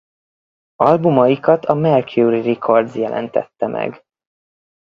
Albumaikat a Mercury Records jelentette meg.